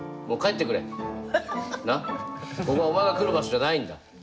ここはお前が来る場所じゃないんだ。